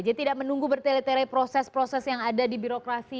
jadi tidak menunggu bertelitere proses proses yang ada di birokrasi